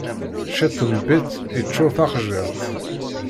Ciṭ n biṭ iččuṛ taxjiḍt.